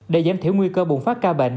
để giảm thiểu nguy cơ bùng phát ca bệnh